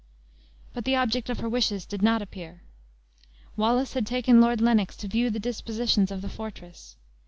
But the object of her wishes did not appear. Wallace had taken Lord Lennox to view the dispositions of the fortress.